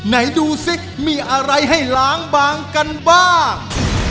ไหนดูสิมีอะไรให้ล้างบางกันบ้าง